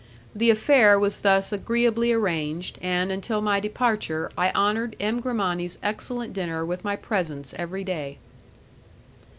The affair was thus agreeably arranged, and until my departure I honoured M. Grimani's excellent dinner with my presence every day.